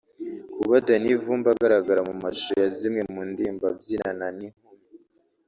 Kuba Danny Vumbi agaragara mu mashusho ya zimwe mu ndirimbo abyinana n’inkumi